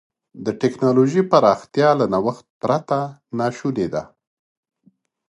د ټکنالوجۍ پراختیا له نوښت پرته ناشونې ده.